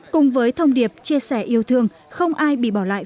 cùng với thông điệp chia sẻ yêu thương không ai bị bỏ lại